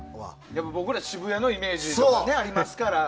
僕ら、渋谷のイメージがありますから。